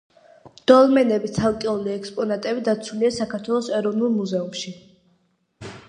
დოლმენების ცალკეული ექსპონატები დაცულია საქართველოს ეროვნულ მუზეუმში.